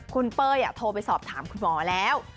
คุณเป้ยโทรไปสอบถามคุณหมอแล้ว